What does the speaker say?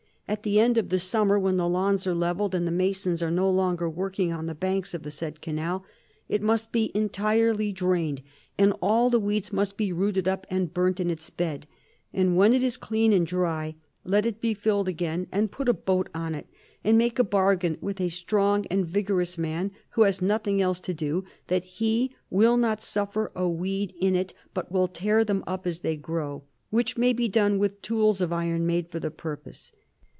At the end of the summer, when the lawns are levelled and the masons are no longer working on the banks of the said canal, it must be entirely drained and all the weeds must be rooted up and burnt in its bed ; and when it is clean and dry let it be filled again, and put a boat on it, and make a bargain with a strong and vigorous man who has nothing else to do, that he will not suffer a weed in it but will tear them up as they grow, which may be done with tools of iron made for the purpose.